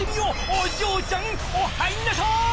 おじょうちゃんお入んなさい！